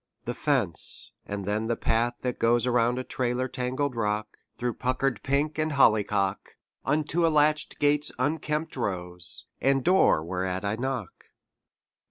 The fence; and then the path that goes Around a trailer tangled rock, Through puckered pink and hollyhock, Unto a latch gate's unkempt rose, And door whereat I knock.